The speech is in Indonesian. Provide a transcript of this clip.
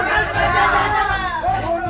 dan serta anggupkan bo link park adri kosong